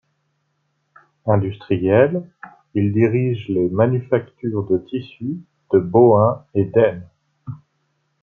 Industriel, il dirige les manufactures de tissu de Bohain et d'Esne.